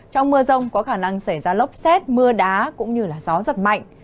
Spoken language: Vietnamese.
trong mưa rông có khả năng xảy ra lốc xét mưa đá cũng như gió giật mạnh